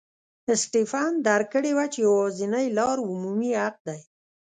سټېفن درک کړې وه چې یوازینۍ لار عمومي حق دی.